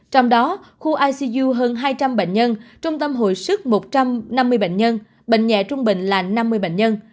trong đó khu icu hơn hai trăm linh bệnh nhân trung tâm hội sức một trăm năm mươi bệnh nhân bệnh nhẹ trung bệnh là năm mươi bệnh nhân